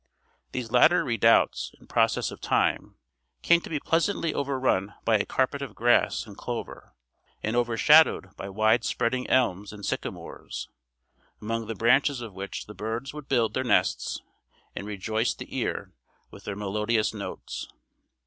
These latter redoubts, in process of time, came to be pleasantly overrun by a carpet of grass and clover, and overshadowed by wide spreading elms and sycamores, among the branches of which the birds would build their nests and rejoice the ear with their melodious notes.